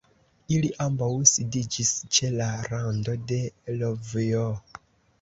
Ili ambaŭ sidiĝis ĉe la rando de l'vojo.